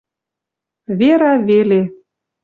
Вера веле